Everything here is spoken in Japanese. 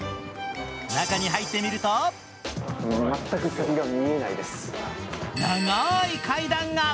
中に入ってみると長い階段が。